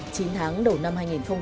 chín tháng đầu năm hai nghìn hai mươi hai